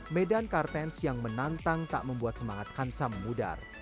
medan kartens yang menantang tak membuat semangat kansa memudar